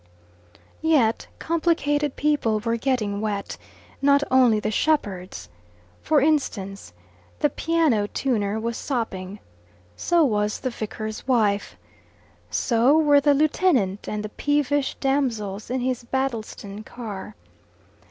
Yet complicated people were getting wet not only the shepherds. For instance, the piano tuner was sopping. So was the vicar's wife. So were the lieutenant and the peevish damsels in his Battleston car.